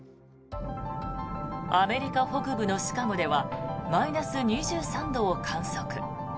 アメリカ北部のシカゴではマイナス２３度を観測。